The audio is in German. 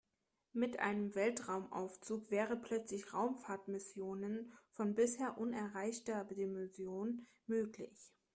Mit einem Weltraumaufzug wären plötzlich Raumfahrtmissionen von bisher unerreichter Dimension möglich.